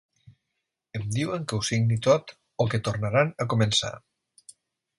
Em diuen que ho signi tot o que tornaran a començar.